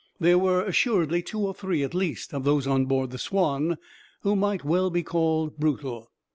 There were assuredly two or three, at least, of those on board the Swanne who might well be called brutal.